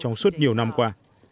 trong suốt nhiều năm qua